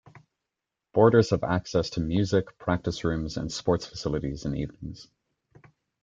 Boarders have access to music practice rooms and sports facilities in evenings.